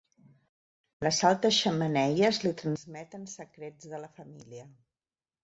Les altes xemeneies li transmeten secrets de la família.